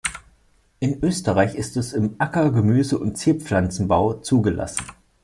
In Österreich ist es im Acker-, Gemüse- und Zierpflanzenbau zugelassen.